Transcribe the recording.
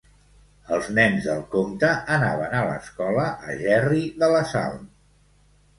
Els nens del Comte anaven a l'escola a Gerri de la Sal.